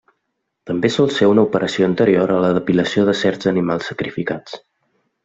També sol ser una operació anterior a la depilació de certs animals sacrificats.